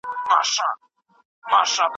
خپلي ليکنې د خلګو د پوهي لپاره وقف کړئ.